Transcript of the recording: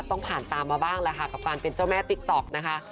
ต้องผ่านตามมาบ้างแหละค่ะกับการเป็นเจ้าแม่ติ๊กต๊อกนะคะ